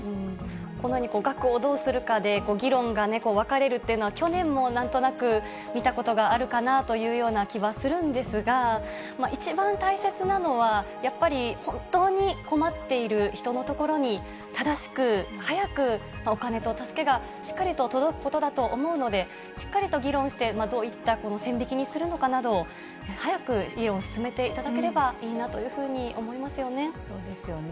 このように額をどうするかで、議論が分かれるっていうのは去年もなんとなく見たことがあるかなというような気はするんですが、一番大切なのは、やっぱり本当に困っている人の所に、正しく早く、お金と助けがしっかりと届くことだと思うので、しっかりと議論して、どういった線引きにするのかなどを、早く議論を進めていただければいいなというふうに思いますよね。